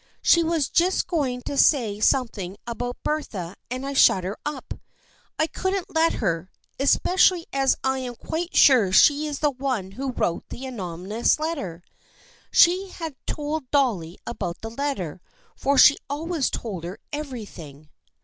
" She was just going to say something about Bertha and I shut her up. I couldn't let her, especially as I am quite sure she is the one who wrote the anonymous letter." She had told Dolly about the letter, for she always told her everything.